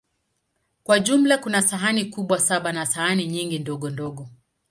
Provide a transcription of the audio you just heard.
Kwa jumla, kuna sahani kubwa saba na sahani nyingi ndogondogo.